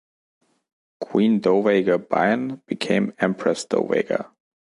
Queen Dowager Bian became empress dowager.